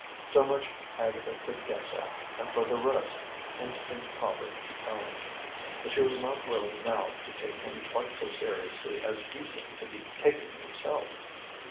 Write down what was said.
So much Agatha could guess at, and for the rest, instinct taught her to be kind. But she was not willing now to take him quite so seriously as he seemed to be taking himself.